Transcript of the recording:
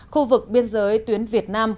khu vực biên giới tuyến việt nam